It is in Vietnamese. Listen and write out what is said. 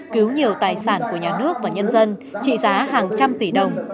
cứu nhiều tài sản của nhà nước và nhân dân trị giá hàng trăm tỷ đồng